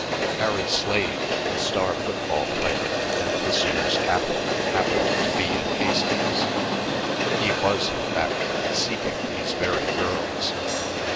Harry Slade, the star football player and this year's captain, happened to be in Hastings; he was, in fact, seeking these very girls.